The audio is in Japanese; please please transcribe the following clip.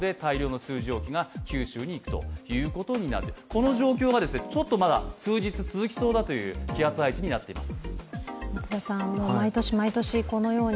この状況がまだ数日続きそうだという気圧配置になっています。